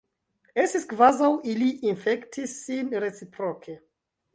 Estis kvazaŭ ili infektis sin reciproke.